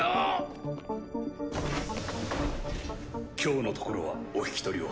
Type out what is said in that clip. シューン今日のところはお引き取りを。